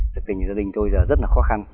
thực tình gia đình tôi giờ rất là khó khăn